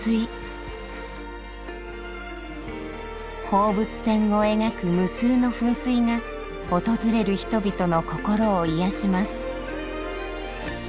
放物線をえがく無数の噴水がおとずれる人々の心をいやします。